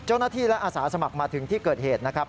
เจ้าหน้าที่และอาสาสมัครมาถึงที่เกิดเหตุนะครับ